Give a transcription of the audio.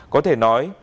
có thể nói